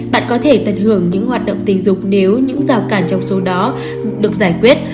bạn có thể tận hưởng những hoạt động tình dục nếu những rào cản trong số đó được giải quyết